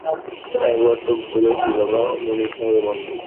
একবার তো বলেছি বাবা, মুনির সাহেবের বন্ধু।